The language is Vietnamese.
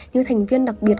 như thành viên đặc biệt